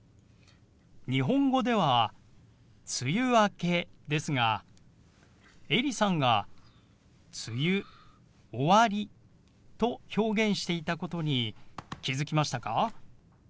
日本語では「梅雨明け」ですがエリさんが「梅雨」「終わり」と表現していたことに気付きましたか？